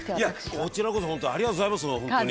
こちらこそホントありがとうございます本当に。